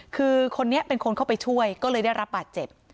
คือคนนี้เป็นคนเข้าไปช่วยก็เลยได้รับบาดเจ็บ